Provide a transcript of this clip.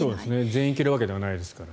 全員行けるわけではないですから。